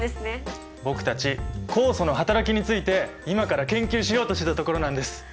僕たち酵素のはたらきについて今から研究しようとしてたところなんです！